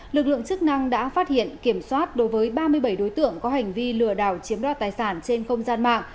lực lượng chức năng đã phát hiện kiểm soát đối với ba mươi bảy đối tượng có hành vi lừa đảo chiếm đoạt tài sản trên không gian mạng